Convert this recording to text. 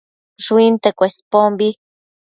Shuinte Cuespombi